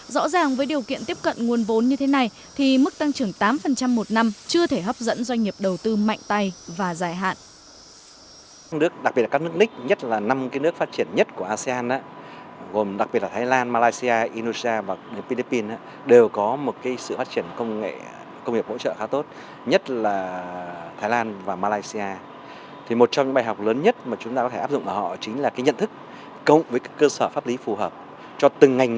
rõ ràng với điều kiện tiếp cận nguồn vốn như thế này thì mức tăng trưởng tám một năm chưa thể hấp dẫn doanh nghiệp đầu tư mạnh tay và dài hạn